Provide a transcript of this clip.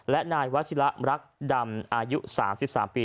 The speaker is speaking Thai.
และนายวัชิระรักดำอายุ๓๓ปี